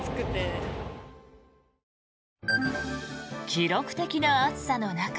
記録的な暑さの中